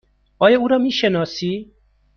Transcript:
آیا او را می شناسی؟